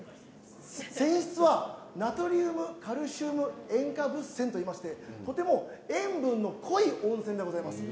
泉質はナトリウム・カルシウム塩化物泉といいましてとても塩分の濃い温泉でございます。